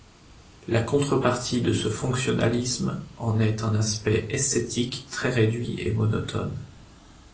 La contrepartie de ce fonctionnalisme en est un aspect esthétique très réduit et monotone.